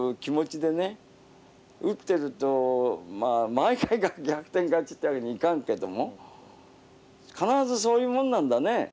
毎回が逆転勝ちってわけにはいかんけども必ずそういうもんなんだね。